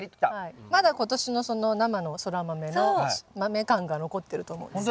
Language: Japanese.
まだ今年の生のソラマメのマメ感が残ってると思うんですけど。